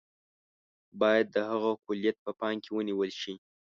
باید د هغه کُلیت په پام کې ونیول شي.